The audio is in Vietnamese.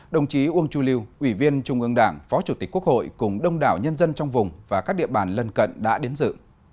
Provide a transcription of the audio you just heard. đồng chí uông chu lưu ủy viên trung ương đảng phó chủ tịch quốc hội cùng đông đảo nhân dân trong vùng và các địa bàn lân cận đã đến dự